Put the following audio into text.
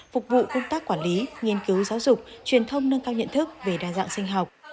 phục vụ công tác quản lý nghiên cứu giáo dục truyền thông nâng cao nhận thức về đa dạng sinh học